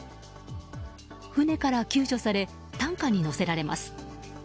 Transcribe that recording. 船から救助され担架に乗せられます。